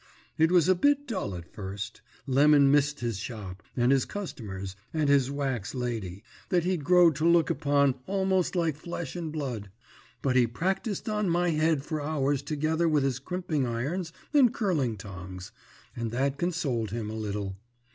"It was a bit dull at first. Lemon missed his shop, and his customers, and his wax lady, that he'd growed to look upon almost like flesh and blood; but he practised on my head for hours together with his crimping irons and curling tongs, and that consoled him a little.